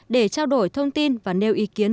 để trao đổi thông tin và nêu ý kiến